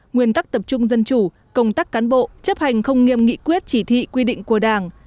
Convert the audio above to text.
nguyên tắc tập trung dân chủ công tác cán bộ chấp hành không nghiêm nghị quyết chỉ thị quy định của đảng